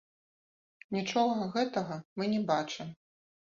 Нічога гэтага мы не бачым.